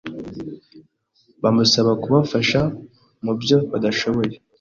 bamusaba kubafasha mubyo badashoboye